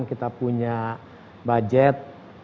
kita punya budget